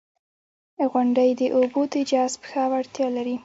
• غونډۍ د اوبو د جذب ښه وړتیا لري.